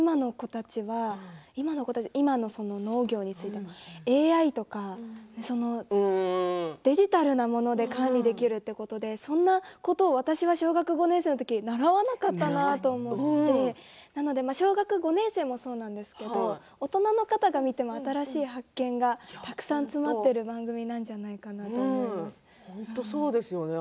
今の子たち今の農業についてもＡＩとかデジタルなもので管理できるということでそんなことを私は小学５年生の時習わなかったなと思って小学５年生もそうなんですけど大人の方が見ても新しい発見がたくさん詰まっている本当にそうですよね。